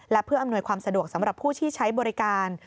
และเพื่ออำนวยความสะดวกสำหรับผู้ที่ใช้บริการ